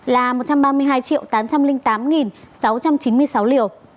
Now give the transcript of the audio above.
là một trăm ba mươi hai tám trăm linh tám sáu trăm chín mươi sáu liều